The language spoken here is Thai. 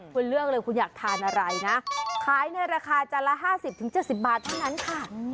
คุณเลือกเลยคุณอยากทานอะไรนะขายในราคาจานละ๕๐๗๐บาทเท่านั้นค่ะ